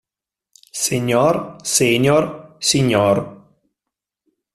Señor Senior, Sr.